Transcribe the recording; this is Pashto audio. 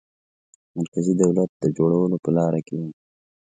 مرکزي دولت د جوړولو په لاره کې وو.